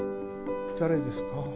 誰ですか？